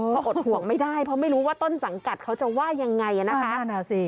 เพราะอดห่วงไม่ได้ไม่รู้ว่าต้นสังกัดเขาจะว่ายังไง